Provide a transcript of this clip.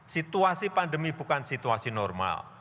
situasi pandemi bukan situasi normal